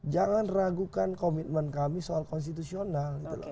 jangan ragukan komitmen kami soal konstitusional